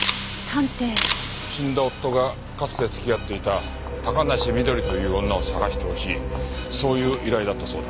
死んだ夫がかつて付き合っていた高梨翠という女を捜してほしいそういう依頼だったそうだ。